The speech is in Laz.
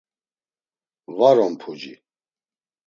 Var on puci.